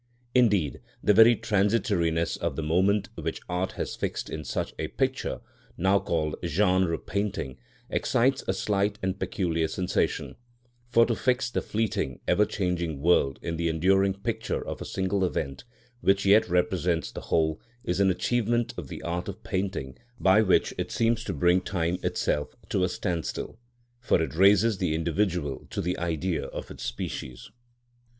Indeed the very transitoriness of the moment which art has fixed in such a picture (now called genre painting) excites a slight and peculiar sensation; for to fix the fleeting, ever changing world in the enduring picture of a single event, which yet represents the whole, is an achievement of the art of painting by which it seems to bring time itself to a standstill, for it raises the individual to the Idea of its species.